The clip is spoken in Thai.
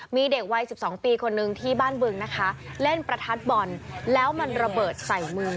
มีเด็กวัย๑๒ปีคนนึงที่บ้านบึงนะคะเล่นประทัดบอลแล้วมันระเบิดใส่มือ